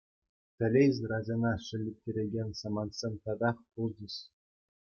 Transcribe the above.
Телейсӗр ачана шеллеттерекен самантсем татах пулчӗҫ.